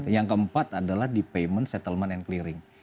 yang keempat adalah de payment settlement and clearing